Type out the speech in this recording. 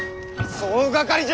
総がかりじゃ！